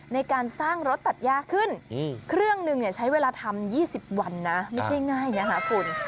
ในการสร้างรถตัดยากขึ้นเครื่องหนึ่งใช้เวลาทำ๒๐วันนะไม่ใช่ง่ายนะคะคุณ